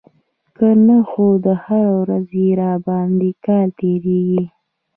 که نه خو هره ورځ يې راباندې کال تېرېده.